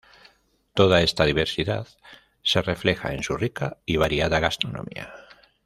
Toda esta diversidad, se refleja en su rica y variada gastronomía.